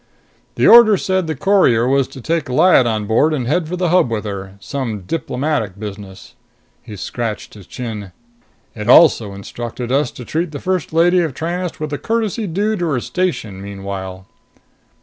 "The order said the courier was to take Lyad on board and head for the Hub with her. Some diplomatic business." He scratched his chin. "It also instructed us to treat the First Lady of Tranest with the courtesy due to her station meanwhile."